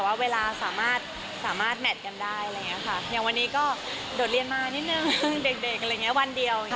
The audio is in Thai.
แต่ถ้ามีงานเราก็มาถี่ขึ้นบ่อยขึ้น